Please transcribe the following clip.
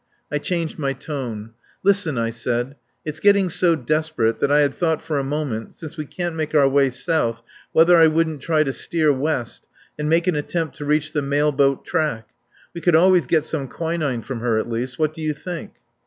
I changed my tone. "Listen," I said. "It's getting so desperate that I had thought for a moment, since we can't make our way south, whether I wouldn't try to steer west and make an attempt to reach the mailboat track. We could always get some quinine from her, at least. What do you think?"